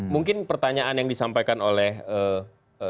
mungkin pertanyaan yang disampaikan oleh eee